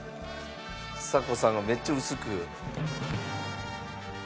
ちさ子さんがめっちゃ薄く。